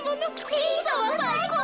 ちぃさまさいこう。